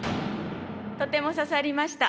とても刺さりました。